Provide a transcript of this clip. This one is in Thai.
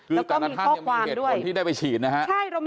แล้วก็มีข้อความด้วยคือตรงนั้นท่านมี๗คนที่ได้ไปฉีดนะฮะ